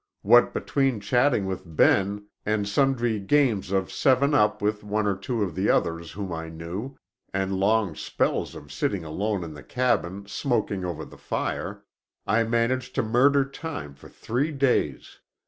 What between chatting with Ben, and sundry games of seven up with one or two of the others whom I knew, and long spells of sitting alone in the cabin smoking over the fire, I managed to murder time for three days.